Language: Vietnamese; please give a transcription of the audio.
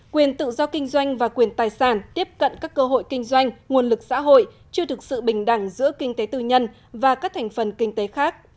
quyền tự do kinh doanh và quyền tài sản tiếp cận các cơ hội kinh doanh nguồn lực xã hội chưa thực sự bình đẳng giữa kinh tế tư nhân và các thành phần kinh tế khác